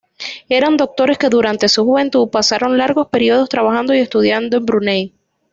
Eran doctores que durante su juventud pasaron largos periodos trabajando y estudiando en Brunei.